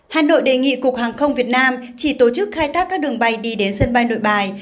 hà nội đề nghị cục hàng không việt nam chỉ tổ chức khai thác các đường bay đi đến sân bay nội bài